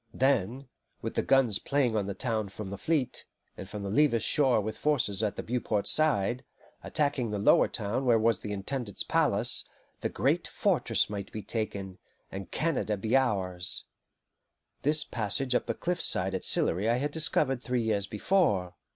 Then, with the guns playing on the town from the fleet, and from the Levis shore with forces on the Beauport side, attacking the lower town where was the Intendant's palace, the great fortress might be taken, and Canada be ours. This passage up the cliff side at Sillery I had discovered three years before.